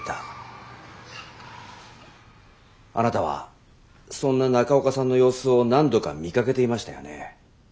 あなたはそんな中岡さんの様子を何度か見かけていましたよね？